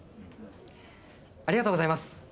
ありがとうございます。